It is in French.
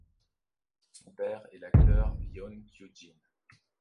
Son père est l'acteur Yeon Kyu-jin.